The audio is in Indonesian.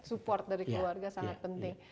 support dari keluarga sangat penting